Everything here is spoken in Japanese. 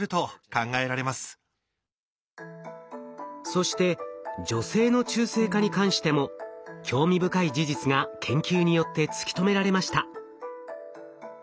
そして女性の中性化に関しても興味深い事実が研究によって突き止められました。